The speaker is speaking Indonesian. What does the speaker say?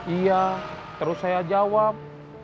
iya terus saya jawab